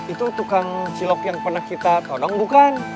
itu tukang cilok yang pernah kita tonong bukan